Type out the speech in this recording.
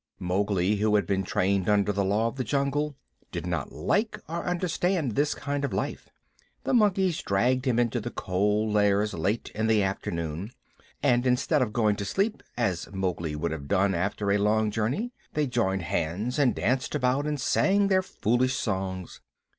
Mowgli, who had been trained under the Law of the Jungle, did not like or understand this kind of life. The monkeys dragged him into the Cold Lairs late in the afternoon, and instead of going to sleep, as Mowgli would have done after a long journey, they joined hands and danced about and sang their foolish songs.